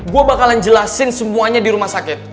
gue bakalan jelasin semuanya di rumah sakit